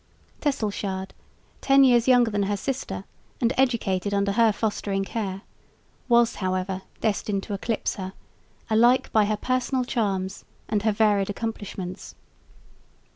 Tesselschade, ten years younger than her sister and educated under her fostering care, was however destined to eclipse her, alike by her personal charms and her varied accomplishments.